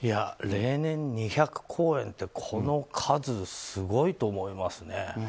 例年２００公演ってこの数すごいと思いますね。